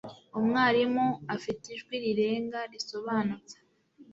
Umwarimu afite ijwi rirenga, risobanutse.